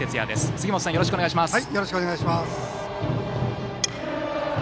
杉本さん、よろしくお願いします。